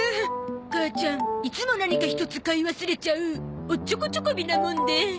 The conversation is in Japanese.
母ちゃんいつも何かひとつ買い忘れちゃうおっちょこチョコビなもんで。